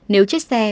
nếu chết xe